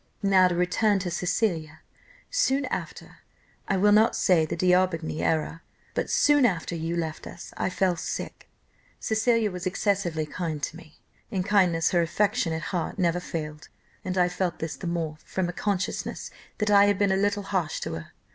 "Now to return to Cecilia; soon after, I will not say the D'Aubigny era, but soon after you left us, I fell sick, Cecilia was excessively kind to me. In kindness her affectionate heart never failed, and I felt this the more, from a consciousness that I had been a little harsh to her.